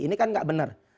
ini kan nggak benar